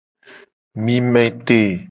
Mi me te.